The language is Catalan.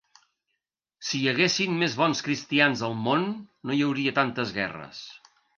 Si hi haguessin més bons cristians al món no hi hauria tantes guerres.